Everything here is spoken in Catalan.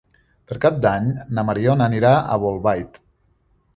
Per Cap d'Any na Mariona anirà a Bolbait.